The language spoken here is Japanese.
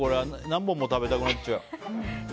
何本も食べたくなっちゃう。